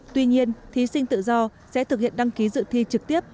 tuy nhiên thí sinh tự do sẽ thực hiện đăng ký dự thi trực tiếp